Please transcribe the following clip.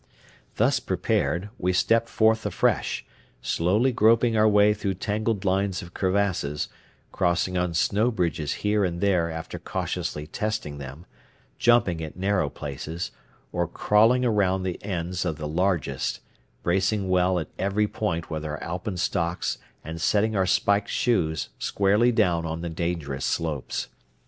Thus prepared, we stepped forth afresh, slowly groping our way through tangled lines of crevasses, crossing on snow bridges here and there after cautiously testing them, jumping at narrow places, or crawling around the ends of the largest, bracing well at every point with our alpenstocks and setting our spiked shoes squarely down on the dangerous slopes.